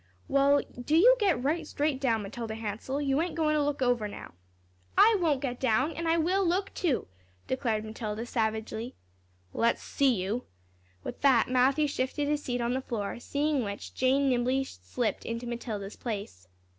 "Well, do you get right straight down, Matilda Hansell. You ain't goin' to look over, now." "I won't get down. And I will look too," declared Matilda, savagely. "Let's see you." With that Matthew shifted his seat on the floor; seeing which, Jane nimbly slipped into Matilda's place.